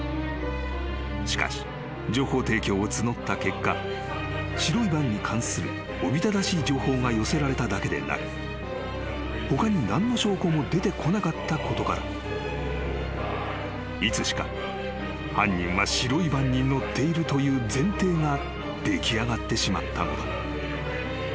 ［しかし情報提供を募った結果白いバンに関するおびただしい情報が寄せられただけでなく他に何の証拠も出てこなかったことからいつしか犯人は白いバンに乗っているという前提が出来上がってしまったのだ］